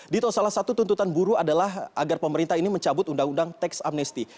dito salah satu tuntutan buruh adalah agar pemerintah ini mencabut undang undang teks amnesti